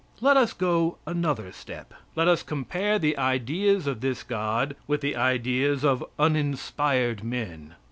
Let us go another step let us compare the ideas of this God with the ideas of uninspired men.